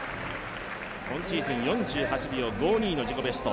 今シーズン４８秒５２の自己ベスト。